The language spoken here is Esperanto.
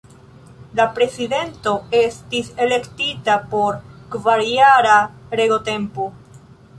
La Prezidento estis elektita por kvarjara regotempo.